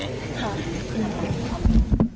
ค่ะ